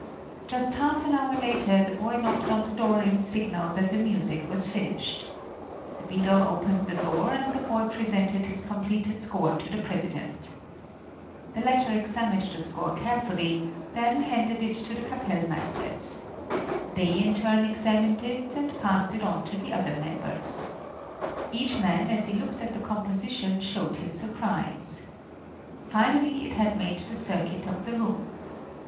Just half an hour later the boy knocked on the door in signal that the music was finished. The beadle opened the door, and the boy presented his completed score to the president. The latter examined the score carefully, then handed it to the Kapellmeisters. They in turn examined it, and passed it on to the other members. Each man as he looked at the composition showed his surprise. Finally it had made the circuit of the room.